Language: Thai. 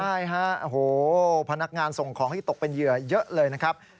ใช่ฮะโอ้โหพนักงานส่งของที่ตกเป็นเหยื่อเยอะเลยนะครับ